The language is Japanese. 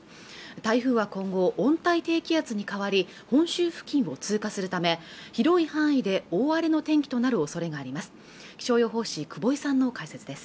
台風は今後温帯低気圧に変わり本州付近を通過するため広い範囲で大荒れの天気となるおそれがあります